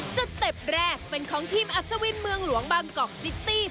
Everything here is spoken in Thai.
เต็ปแรกเป็นของทีมอัศวินเมืองหลวงบางกอกซิตี้